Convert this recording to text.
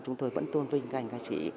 chúng tôi vẫn tôn vinh các anh các chị